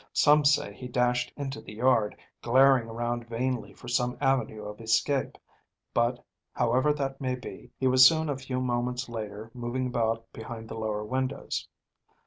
Some say he dashed into the yard, glaring around vainly for some avenue of escape; but, however that may be, he was soon a few moments later moving about behind the lower windows.